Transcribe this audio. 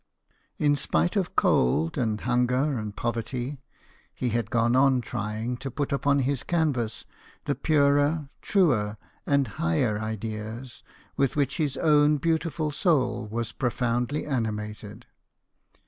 In spite of cold, and hunger, and poverty, he had gone on trying to put upon his canvas the purer, truer, and higher ideas with which his own beautiful soul was profoundly animated.